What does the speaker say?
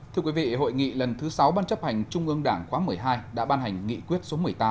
thưa quý vị hội nghị lần thứ sáu ban chấp hành trung ương đảng khóa một mươi hai đã ban hành nghị quyết số một mươi tám